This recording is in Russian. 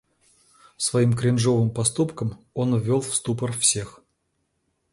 Своим кринжовым поступком он ввёл в ступор всех.